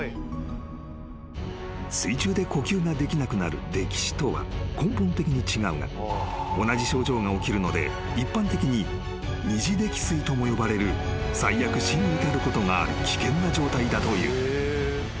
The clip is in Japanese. ［水中で呼吸ができなくなる溺死とは根本的に違うが同じ症状が起きるので一般的に二次溺水とも呼ばれる最悪死に至ることがある危険な状態だという］